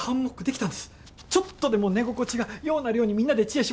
ちょっとでも寝心地がようなるようにみんなで知恵絞って改良しました。